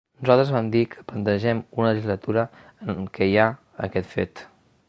Nosaltres vam dir que plantegem una legislatura en què hi ha aquest fet.